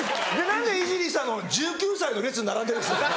何でイジリーさん１９歳の列に並んでるんですか？